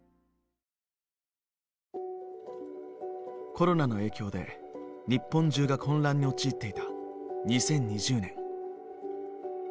コロナの影響で日本中が混乱に陥っていた２０２０年。